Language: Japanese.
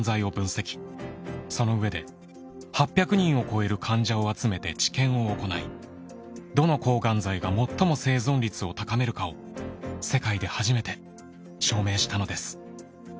その上で８００人を超える患者を集めて治験を行いどの抗がん剤が最も生存率を高めるかを世界で初めて証明したのです。